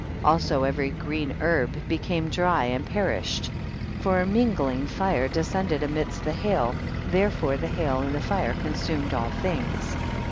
31 . Also every green herb became dry and perished, for a minglingt fire descended amidst the hail, there fore the hail and the fire consumed all things.